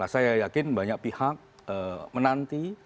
saya yakin banyak pihak menanti